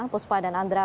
puspa dan andra